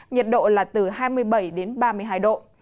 nhiệt độ là từ hai mươi bảy đến ba mươi hai độ